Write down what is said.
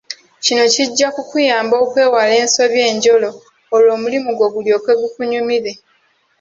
Kino kijja kukuyamba okwewala ensobi enjolo olwo omulimu gwo gulyoke gukunyumire.